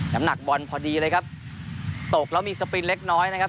น้ำหนักบอลพอดีเลยครับตกแล้วมีสปรินเล็กน้อยนะครับ